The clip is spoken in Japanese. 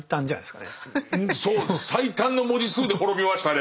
そう最短の文字数で滅びましたね